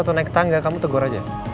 atau naik tangga kamu tegur aja